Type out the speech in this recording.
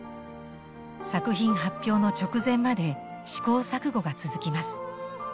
作品発表の直前まで試行錯誤が続きます。